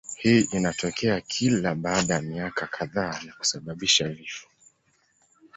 Hii inatokea kila baada ya miaka kadhaa na kusababisha vifo.